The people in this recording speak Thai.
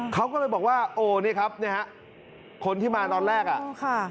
เขาก็เลยบอกว่าโอ้นี่ครับคนที่มาตอนแรก